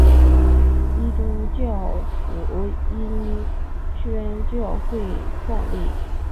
基督教福音宣教会创立。